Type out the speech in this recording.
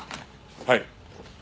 はい。